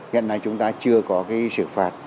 hiện nay chúng ta chưa có cái xử phạt